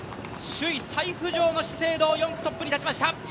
首位再浮上の資生堂、４区トップに立ちました。